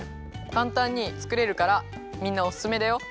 かんたんにつくれるからみんなおすすめだよ。